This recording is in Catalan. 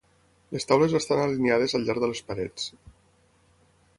Les taules estan alineades al llarg de les parets.